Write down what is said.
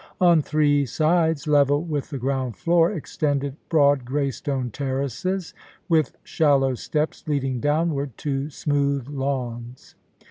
On three sides, level with the ground floor, extended broad greystone terraces, with shallow steps leading downward to smooth lawns.